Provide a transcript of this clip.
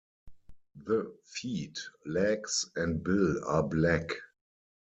The feet, legs and bill are black.